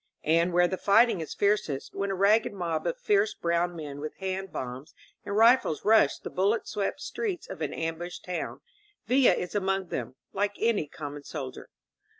And where the fighting is fiercest — ^when a ragged mob of fierce brown men with hand bombs and rifles rush the buUet swept streets of an ambushed town — ^Villa is among them, like any common soldier.